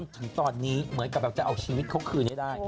ถึงตอนนี้เหมือนกับแบบจะเอาชีวิตเขาคืนให้ได้